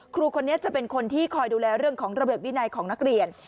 ครูคนนี้จะเป็นคนที่คอยดูแลเรื่องของระเบียบวินัยของนักเรียน